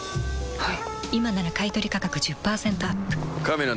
はい。